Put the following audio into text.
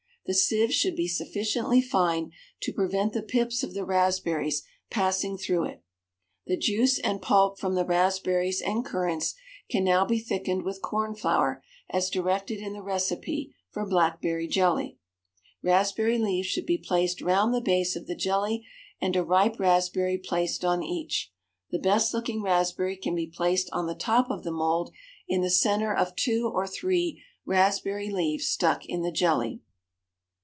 The sieve should be sufficiently fine to prevent the pips of the raspberries passing through it. The juice and pulp from the raspberries and currants can now be thickened with corn flour as directed in the recipe for blackberry jelly. Raspberry leaves should be placed round the base of the jelly and a ripe raspberry placed on each. The best looking raspberry can be placed on the top of the mould in the centre of two or three raspberry leaves stuck in the jelly.